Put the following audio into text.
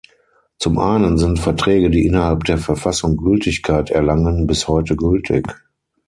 Zum einen sind Verträge, die innerhalb der Verfassung Gültigkeit erlangen, bis heute gültig.